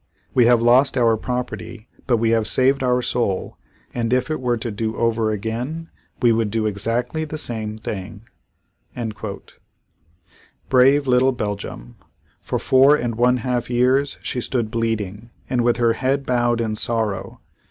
We have lost our property, but we have saved our soul, and if it were to do over again we would do exactly the same thing." Brave little Belgium! For four and one half years she stood bleeding and with her head bowed in sorrow!